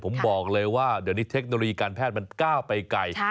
ผมบอกเลยว่าเดี๋ยวนี้เทคโนโลยีการแพทย์มันก้าวไปไกล